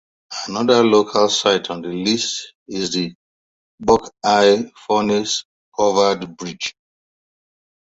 Another local site on the list is the Buckeye Furnace Covered Bridge.